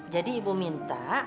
jadi ibu minta